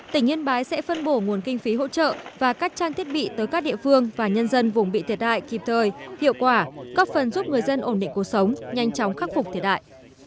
tỉnh yên bái sẽ phân bổ nguồn kinh phí hỗ trợ và các trang thiết bị tới các địa phương và nhân dân vùng bị thiệt hại kịp thời hiệu quả góp phần giúp người dân ổn định cuộc sống nhanh chóng khắc phục thiệt hại